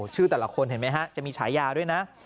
ชื่อแต่ละคนเห็นไหมฮะจะมีฉายาด้วยนะ